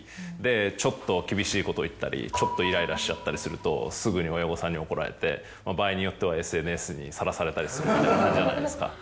ちょっと厳しいことを言ったりイライラしちゃったりするとすぐに親御さんに怒られて場合によってはＳＮＳにさらされたりするじゃないですか。